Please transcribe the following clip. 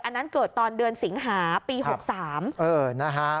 อันนั้นเกิดตอนเดือนสิงหาปี๖๓นะฮะ